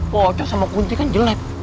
pocong sama kunti kan jelek